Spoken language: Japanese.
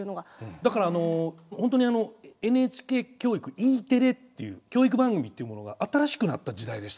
だからホントにＮＨＫ教育Ｅテレっていう教育番組っていうものが新しくなった時代でしたよね。